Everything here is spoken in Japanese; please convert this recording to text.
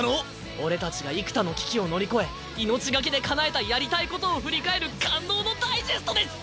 俺たちが幾多の危機を乗り越え命懸けでかなえたやりたいことを振り返る感動のダイジェストです！